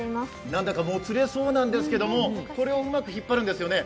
何だかもつれそうなんですけども、これをうまく引っ張るんですよね。